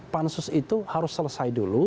pansus itu harus selesai dulu